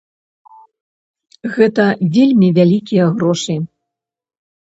Гэта вельмі вялікія грошы.